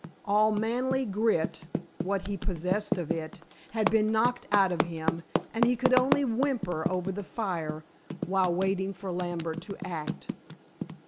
All manly grit what he possessed of it had been knocked out of him, and he could only whimper over the fire while waiting for Lambert to act.